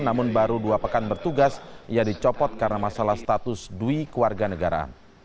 namun baru dua pekan bertugas ia dicopot karena masalah status dui keluarga negara